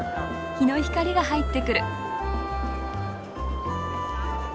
日の光が入ってくる。